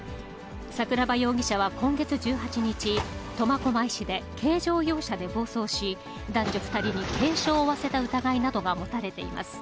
桜庭容疑者は今月１８日、苫小牧市で軽乗用車で暴走し、男女２人に軽傷を負わせた疑いなどが持たれています。